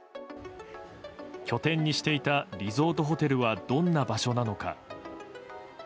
拠点にしていたリゾートホテルはどんな場所なのか。